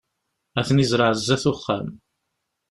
Ad ten-izreε zdat uxxam.